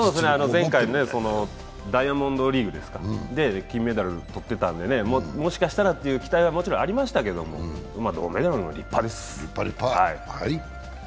前回のダイヤモンドリーグで金メダル取ってたんで、もしかしたらっていう期待はもちろんありましたけど銅メダル、立派です。